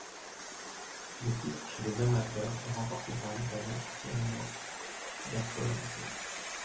Le titre chez les amateurs est remporté par l'Italien Pierino Bertolazzo.